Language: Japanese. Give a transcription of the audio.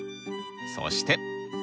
そして！